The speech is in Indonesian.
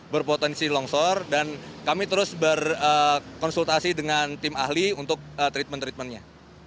berpotensi longsor dan kami terus berkonsultasi dengan tim ahli untuk treatment treatmentnya